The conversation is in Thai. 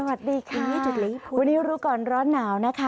สวัสดีค่ะวันนี้รู้ก่อนร้อนหนาวนะคะ